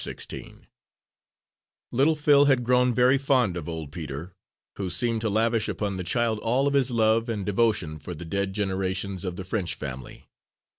Sixteen Little Phil had grown very fond of old Peter, who seemed to lavish upon the child all of his love and devotion for the dead generations of the French family.